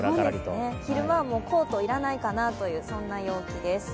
昼間はもうコート要らないかなというそんな陽気です。